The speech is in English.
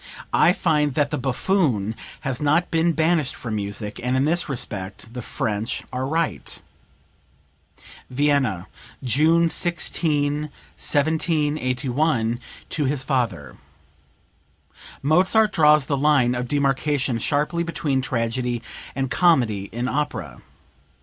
I find that the buffoon has not been banished from music, and in this respect the French are right." (Vienna, June 16, 1781, to his father. Mozart draws the line of demarcation sharply between tragedy and comedy in opera.